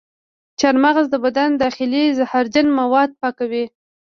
چارمغز د بدن داخلي زهرجن مواد پاکوي.